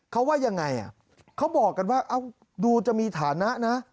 เขาว่ายังไงเขาบอกกันว่าดูจะมีฐานะนะ